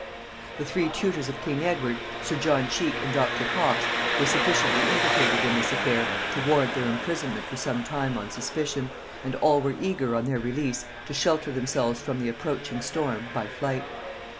The three tutors of king Edward, sir Anthony Cook, sir John Cheke and Dr. Cox, were sufficiently implicated in this affair to warrant their imprisonment for some time on suspicion; and all were eager, on their release, to shelter themselves from the approaching storm by flight.